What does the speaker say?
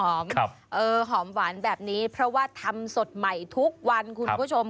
โลนัทนมสดหอมหอมหวานแบบนี้เพราะว่าทำสดใหม่ทุกวันคุณผู้ชม